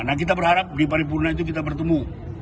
nah kita berharap di paripurna itu kita bertemu